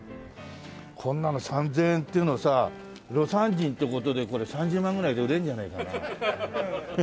こんなの３０００円っていうのをさ魯山人って事でこれ３０万ぐらいで売れるんじゃないかな？